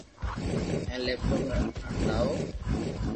ھون ليپ ٽاپ ھلاو